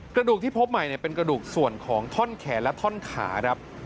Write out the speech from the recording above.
กระดูกที่พบใหม่เป็นกระดูกส่วนของท่อนแขนและท่อนขาครับ